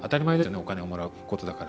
お金をもらうことだから。